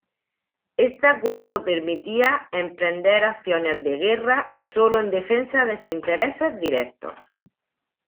Este acuerdo permitía emprender acciones de guerra solo en defensa de sus intereses directos.